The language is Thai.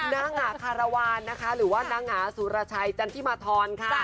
นางอาคารวาลนะคะหรือว่านางอาสุรชัยจันทิมาธรค่ะ